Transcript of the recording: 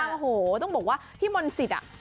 โอ้โหต้องบอกว่าที่พี่มนศิษย์น่ะ